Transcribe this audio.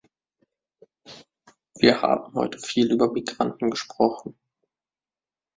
Wir haben heute viel über Migranten gesprochen.